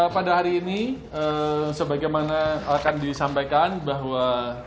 pada hari ini sebagaimana akan disampaikan bahwa